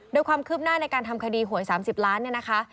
โดยความคืบหน้าในการทำคดีหวย๓๐ล้านเนี่ยนะคะ